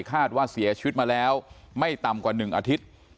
คาดว่าเสียชีวิตมาแล้วไม่ต่ำกว่า๑อาทิตย์